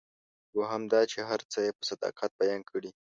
دوهم دا چې هر څه یې په صداقت بیان کړي.